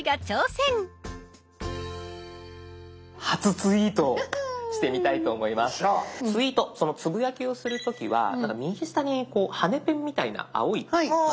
ツイートつぶやきをする時は右下に羽根ペンみたいな青いマークが。